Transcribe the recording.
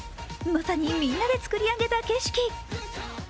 まさにみんなで作り上げた景色。